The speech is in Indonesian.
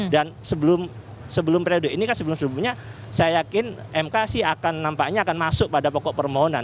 dan sebelum periode ini kan sebelum sebelumnya saya yakin mk sih akan nampaknya akan masuk pada pokok permohonan